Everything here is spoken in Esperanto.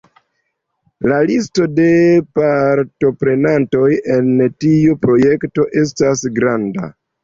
La listo de partoprenantoj en tiu projekto estas granda.